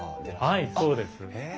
はいそうです。へえ。